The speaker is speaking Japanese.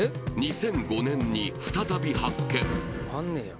４年２００５年に再び発見